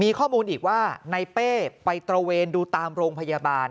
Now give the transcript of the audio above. มีข้อมูลอีกว่าในเป้ไปตระเวนดูตามโรงพยาบาล